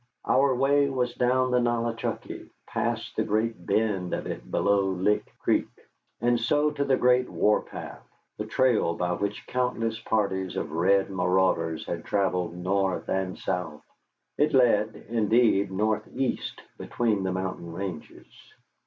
Our way was down the Nollichucky, past the great bend of it below Lick Creek, and so to the Great War path, the trail by which countless parties of red marauders had travelled north and south. It led, indeed, northeast between the mountain ranges.